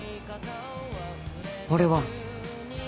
俺は。